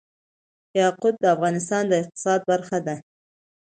یاقوت د افغانستان د اقتصاد برخه ده.